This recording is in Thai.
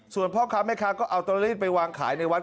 ส่วนพ่อค้าแม่ค้าก็เอาตัวเลขไปวางขายในวัด